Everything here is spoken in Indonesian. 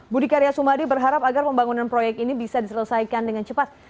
budi karya sumadi berharap agar pembangunan proyek ini bisa diselesaikan dengan cepat